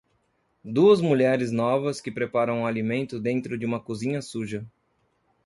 Duas mulheres novas que preparam o alimento dentro de uma cozinha suja.